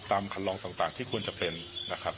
คันลองต่างที่ควรจะเป็นนะครับ